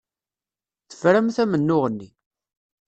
Teframt amennuɣ-nni.